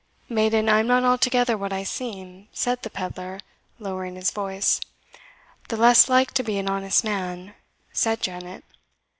"Maiden, I am not altogether what I seem," said the pedlar, lowering his voice. "The less like to be an honest man," said Janet.